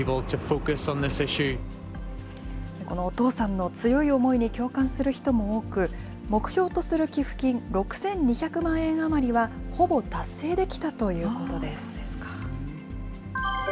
このお父さんの強い思いに共感する人も多く、目標とする寄付金６２００万円余りは、ほぼ達成できたということです。